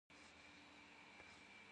'exhueğuetêğeç'.